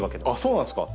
そうなんですか。